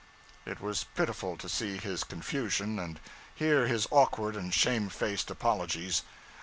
It was pitiful to see his confusion and hear his awkward and shamefaced apologies.